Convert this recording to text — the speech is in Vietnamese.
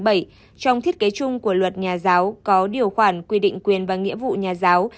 trong thiết kế chung của luật nhà giáo có điều khoản quy định quyền và nghĩa vụ nhà giáo